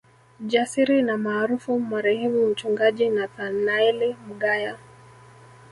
Jasiri na maarufu Marehemu Mchungaji Nathanaeli Mgaya